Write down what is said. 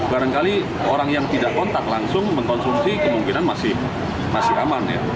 barangkali orang yang tidak kontak langsung mengkonsumsi kemungkinan masih aman ya